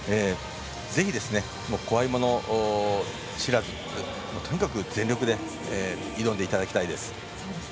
ぜひ怖いもの知らずでとにかく全力で挑んでいただきたいです。